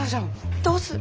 どうする？